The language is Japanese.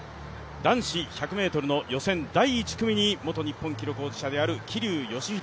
男子１００ｍの予選第１組に元日本記録保持者である桐生祥秀。